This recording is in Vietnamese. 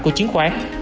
của chiến khoán